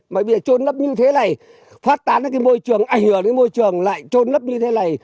mà vì trôn nấp như thế này phát tán cái môi trường ảnh hưởng cái môi trường lại trôn nấp như thế này